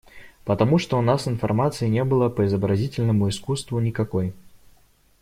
Потому что у нас информации не было по изобразительному искусству никакой.